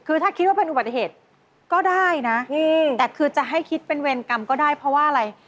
คือถ้าคิดว่าเป็นอุบัติเหตุก็ได้นะแต่คือจะให้คิดเป็นเวรกรรมก็ได้เพราะว่าอะไร